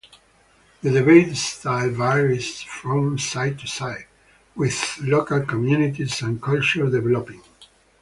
The debate style varies from site to site, with local communities and cultures developing.